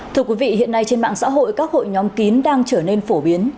thưa quý vị hiện nay trên mạng xã hội các hội nhóm kín đang trở nên phổ biến